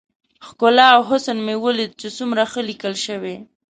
ښکلا او حسن مې وليد چې څومره ښه ليکل شوي.